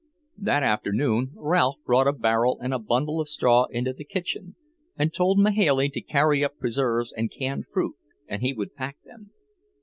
That afternoon Ralph brought a barrel and a bundle of straw into the kitchen and told Mahailey to carry up preserves and canned fruit, and he would pack them.